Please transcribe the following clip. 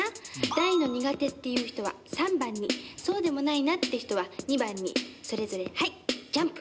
大の苦手っていう人は３番にそうでもないなって人は２番にそれぞれはいジャンプ！